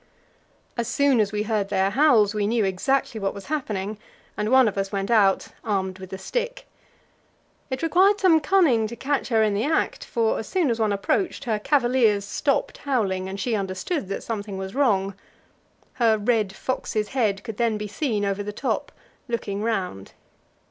As soon as we heard their howls, we knew exactly what was happening, and one of us went out, armed with a stick. It required some cunning to catch her in the act, for as soon as one approached, her cavaliers stopped howling, and she understood that something was wrong. Her red fox's head could then be seen over the top, looking round.